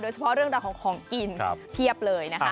เฉพาะเรื่องราวของของกินเพียบเลยนะคะ